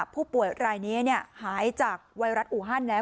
ผู้ป่วยรายนี้หายจากไวรัสอูฮันแล้ว